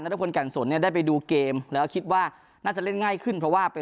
ทุกคนแก่นสนเนี่ยได้ไปดูเกมแล้วคิดว่าน่าจะเล่นง่ายขึ้นเพราะว่าไป